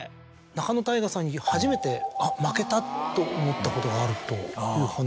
仲野太賀さんに初めて「あっ負けた」と思ったことがあるという話を。